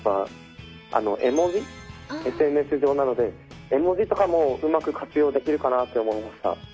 ＳＮＳ上なので絵文字とかもうまく活用できるかなって思いました。